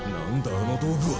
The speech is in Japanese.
あの道具は！